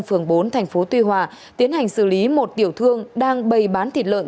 phường bốn tp tuy hòa tiến hành xử lý một tiểu thương đang bày bán thịt lợn